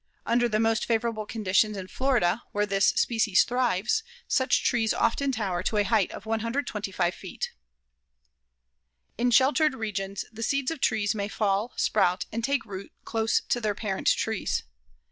Under the most favorable conditions in Florida, where this species thrives, such trees often tower to a height of 125 feet. In sheltered regions the seeds of trees may fall, sprout and take root close to their parent trees.